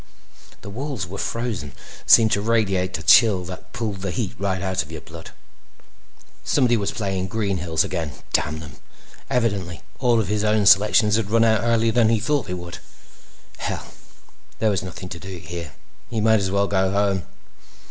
The walls were frozen and seemed to radiate a chill that pulled the heat right out of your blood. Somebody was playing Green Hills again, damn them. Evidently all of his own selections had run out earlier than he'd thought they would. Hell! There was nothing to do here. He might as well go home.